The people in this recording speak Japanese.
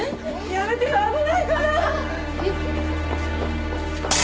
やめてよ危ないから！